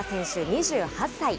２８歳。